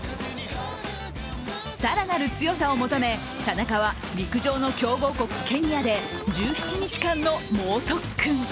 更なる強さを求め田中は陸上の強豪国・ケニアで１７日間の猛特訓。